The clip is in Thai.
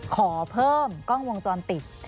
ขอเพิ่มกล้องวงจรปิด